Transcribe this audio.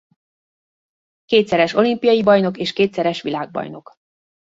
Kétszeres olimpiai bajnok és kétszeres világbajnok.